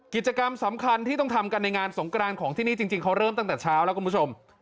กิจกรรมสำคัญที่ต้องทำกันในงานสงกรานของที่นี่จริงเขาเริ่มตั้งแต่เช้าแล้วคุณผู้ชม